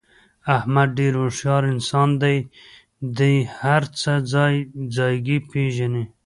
احمد ډېر هوښیار انسان دی. دې هر څه ځای ځایګی پېژني.